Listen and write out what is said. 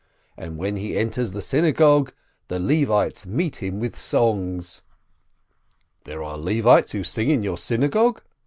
And when he enters the synagogue, the Levites meet him with songs." "There are Levites who sing in your synagogue?"